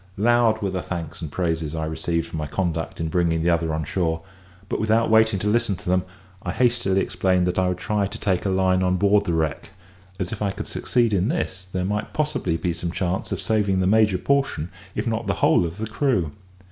Loud were the thanks and praises I received for my conduct in bringing the other on shore; but without waiting to listen to them, I hastily explained that I would try to take a line on board the wreck, as, if I could succeed in this, there might possibly be some chance of saving the major portion, if not the whole of the crew.